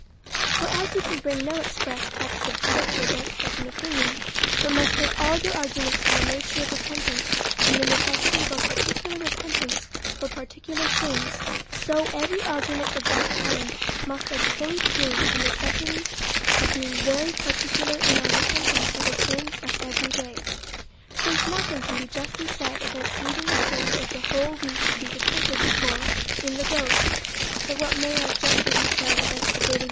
For as you can bring no express text of Scripture against such an opinion, but must take all your arguments from the nature of repentance and the necessity of a particular repentance for particular sins; so every argument of that kind must as fully prove the necessity of being very particular in our repentance of the sins of every day; since nothing can he justly said against leaving the sins of the whole week to be repented for in the gross, but what may as justly be said against a daily DEVOUT AND HOLY LIFE.